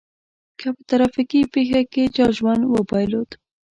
که په ترافيکي پېښه کې چا ژوند وبایلود.